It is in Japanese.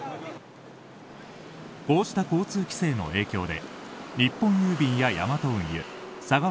こうした交通規制の影響で日本郵便やヤマト運輸佐川